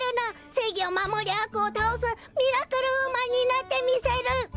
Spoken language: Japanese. せいぎをまもりあくをたおすミラクルウーマンになってみせる」。